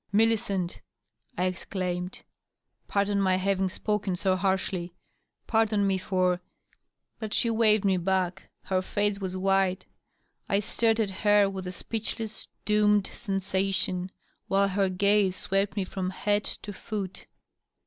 " Millicent !" I exclaimed. " Pardon my having spoken so harshly. Pardon me for " But she waved me back. Her face was white. I stared at her with a speechless^ doomed sensation while her gaze swept me from head to foot.